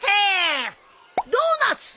ドーナツ！